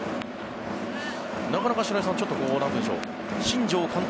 なかなか白井さん新庄監督